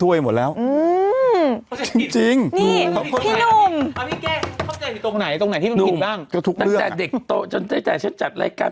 ตั้งแต่เด็กโตจนตั้งแต่ฉันจัดรายการ